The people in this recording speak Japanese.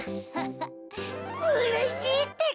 うれしいってか！